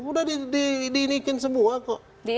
udah di iniin semua kok